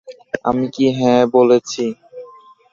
আমি কি হ্যাঁ বলেছি?